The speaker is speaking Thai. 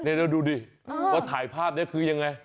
เดี๋ยวดูดิว่าถ่ายภาพนี้คือยังไง